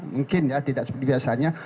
mungkin ya tidak seperti biasanya